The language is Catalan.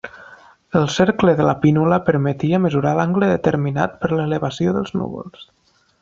El cercle de la pínula permetia mesurar l’angle determinat per l’elevació dels núvols.